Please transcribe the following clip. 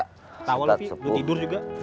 tawa luffy lu tidur juga